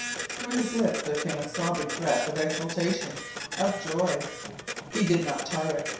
Through his lips there came a sobbing breath of exultation, of joy. He did not tire.